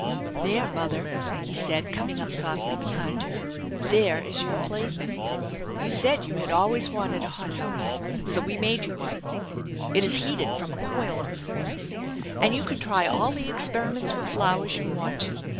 " There, mother," he said, coming up softly behind her. " There is your plaything. You said you had always wanted 312 THE ENCHANTED BARN a hot house, so we made you one. It is heated from a coil in the furnace, and you can try all the experiments with flowers you want to.